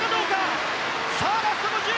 ラスト５０。